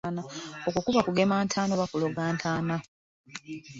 Okwo kuba kugema ntaana oba kuloga ntaana.